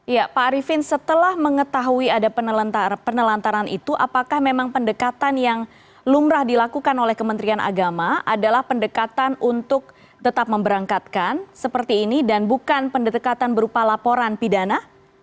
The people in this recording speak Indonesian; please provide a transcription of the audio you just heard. ya pak arifin setelah mengetahui ada penelantaran itu apakah memang pendekatan yang lumrah dilakukan oleh kementerian agama adalah pendekatan untuk tetap memberangkatkan seperti ini dan bukan pendekatan berupa laporan pidana